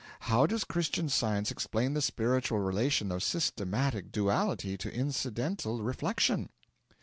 How does Christian Science explain the spiritual relation of systematic duality to incidental reflection?'